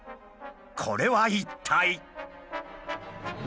これは一体？